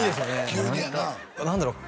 急にやな何だろう？